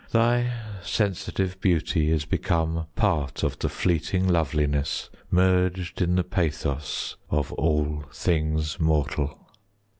Thy sensitive beauty Is become part of the fleeting Loveliness, merged in the pathos Of all things mortal.